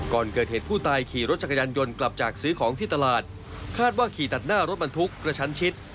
ก่อนเกิดเหตุผู้ตายขี่รถจักรยานยนต์กลับจากซื้อของที่ตลาดคาดว่าขี่ตัดหน้ารถบรรทุกกระชั้นชิด